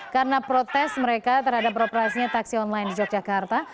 karena protes mereka terhadap beroperasinya taksi online di yogyakarta